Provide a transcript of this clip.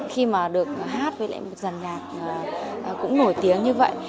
khi mà được hát với lại một giàn nhạc cũng nổi tiếng như vậy